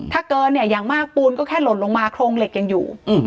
ถ้าเกินเนี่ยอย่างมากปูนก็แค่หล่นลงมาโครงเหล็กยังอยู่